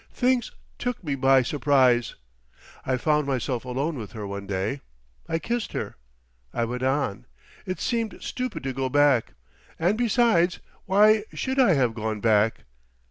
Things took me by surprise. I found myself alone with her one day. I kissed her. I went on. It seemed stupid to go back. And besides—why should I have gone back?